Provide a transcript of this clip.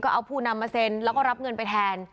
เอาผู้นำมาเซ็นแล้วก็รับเงินไปแทน